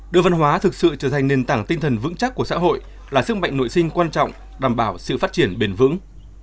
đưa văn hóa thực sự trở thành nền tảng tinh thần vững chắc của xã hội là sức mạnh nội sinh quan trọng đảm bảo sự phát triển bền vững